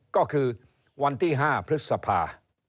ก็คือวันที่๕พฤษภา